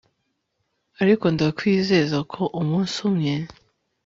ariko ndakwizeza ko umunsi mwe